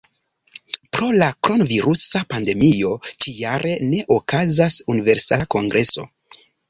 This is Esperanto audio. Pro la kronvirusa pandemio ĉi-jare ne okazas Universala Kongreso.